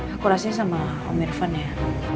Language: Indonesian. aku rasanya sama om irfan ya